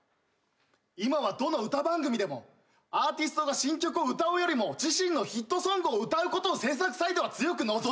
今はどの歌番組でもアーティストが新曲を歌うよりも自身のヒットソングを歌うことを制作サイドは強く望んでいる。